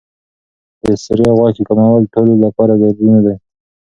د سرې غوښې کمول ټولو لپاره ضروري نه دي.